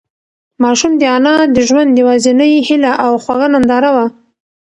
ماشوم د انا د ژوند یوازینۍ هيله او خوږه ننداره وه.